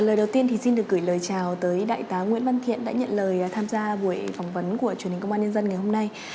lời đầu tiên thì xin được gửi lời chào tới đại tá nguyễn văn thiện đã nhận lời tham gia buổi phỏng vấn của truyền hình công an nhân dân ngày hôm nay